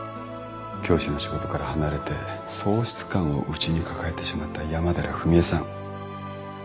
教師の仕事から離れて喪失感を内に抱えてしまった山寺史絵さん。